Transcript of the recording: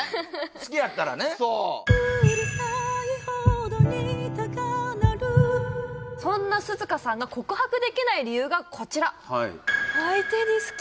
好きやったらねそうそんな涼香さんが告白できない理由がこちらそうなんですよ